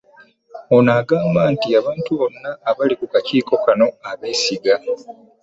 Ono agamba nti abantu bonna abali ku kakiiko kano abeesiga